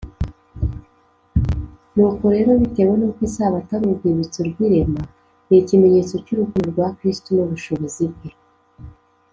nuko rero bitewe n’uko isabato ari urwibutso rw’irema, ni ikimenyetso cy’urukundo rwa kristo n’ubushobozi bwe